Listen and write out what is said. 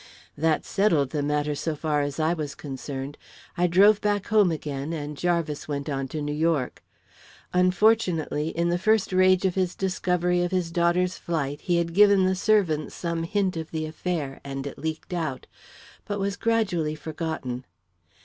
"That settled the matter, so far as I was concerned. I drove back home again and Jarvis went on to New York. Unfortunately, in the first rage of his discovery of his daughter's flight, he had given the servants some hint of the affair, and it leaked out, but was gradually forgotten.